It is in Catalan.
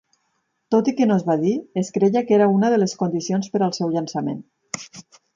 Tot i que no es va dir, es creia que era una de les condicions per al seu llançament.